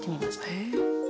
へえ。